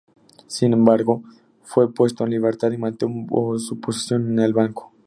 Sin embargo, fue puesto en libertad y mantuvo su posición en el banco.